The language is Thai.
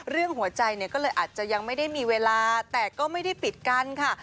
หัวใจเนี่ยก็เลยอาจจะยังไม่ได้มีเวลาแต่ก็ไม่ได้ปิดกันค่ะ